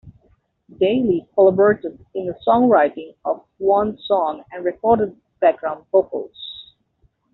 Bailey collaborated in the songwriting of one song and recorded background vocals.